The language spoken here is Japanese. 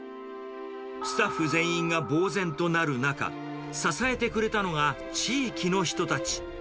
スタッフ全員がぼう然となる中、支えてくれたのは地域の人たち。